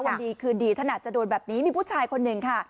วันดีคืนดีท่านอาจจะโดนแบบนี้มีผู้ชายคนหนึ่งค่ะ